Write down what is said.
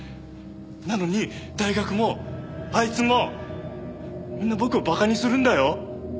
なのに大学もあいつもみんな僕を馬鹿にするんだよ。